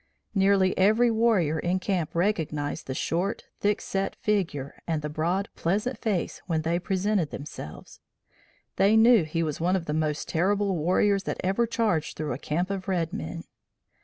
Nearly every warrior in camp recognized the short, thickset figure and the broad, pleasant face when they presented themselves. They knew he was one of the most terrible warriors that ever charged through a camp of red men.